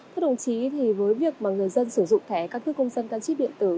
thưa đồng chí với việc người dân sử dụng thẻ căn cước công dân gắn chip điện tử